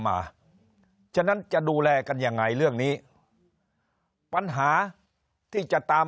ฉะนั้นจะดูแลกันยังไงเรื่องนี้ปัญหาที่จะตาม